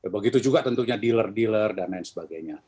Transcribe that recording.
begitu juga tentunya dealer dealer dan lain sebagainya